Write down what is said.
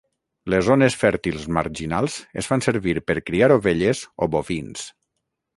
Les zones fèrtils marginals es fan servir per criar ovelles o bovins.